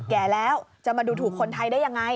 แก่แล้วจะมาดูถูกคนไทยได้ยังไง